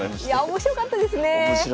面白かったですね。